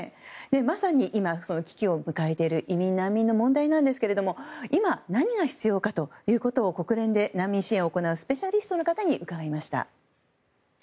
まさに今、危機を迎えている移民・難民の問題ですが今、何が必要なのかを国連で難民支援を行うスペシャリストの方に伺いました。